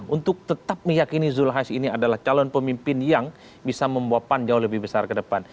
untuk tetap meyakini zulkifli hasan ini adalah calon pemimpin yang bisa membawa pan jauh lebih besar ke depan